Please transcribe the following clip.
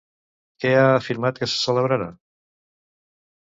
Què ha afirmat que se celebrarà?